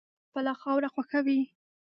دښته خپله خاوره خوښوي.